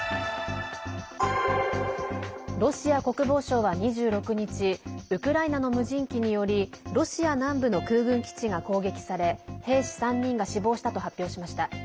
ロシア国防省は２６日ウクライナの無人機によりロシア南部の空軍基地が攻撃され兵士３人が死亡したと発表しました。